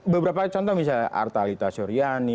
beberapa contoh misalnya arta alita suryani